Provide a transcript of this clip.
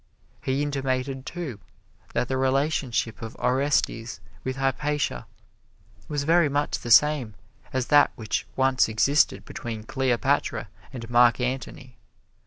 He intimated, too, that the relationship of Orestes with Hypatia was very much the same as that which once existed between Cleopatra and Mark Antony.